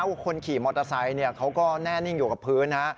คนขี่มอเตอร์ไซค์เขาก็แน่นิ่งอยู่กับพื้นฮะ